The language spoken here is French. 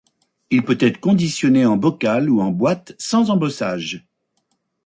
Il peut être conditionné en bocal ou en boîte sans embossage.